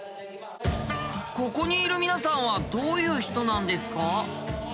ここにいる皆さんはどういう人なんですか？